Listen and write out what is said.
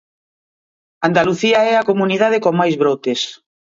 Andalucía é a comunidade con máis brotes.